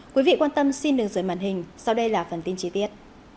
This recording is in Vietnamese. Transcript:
quý vị quan tâm xin đừng rời màn hình sau đây là phần tin chi tiết